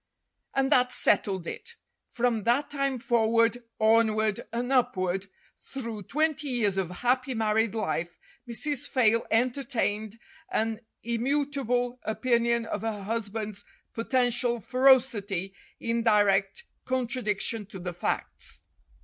And that settled it. From that time forward, onward, and upward, through twenty years of happy married life, Mrs. Fayle enter tained an immutable opinion of her husband's poten tial ferocity in direct contradiction to the facts.